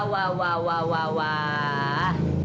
terima kasih ya allah